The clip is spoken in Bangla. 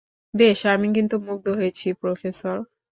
বেশ, আমি কিন্তু মুগ্ধ হয়েছি, প্রফেসর।